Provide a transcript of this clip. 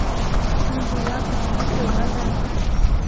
Тӱрволак гыч вӱд йога да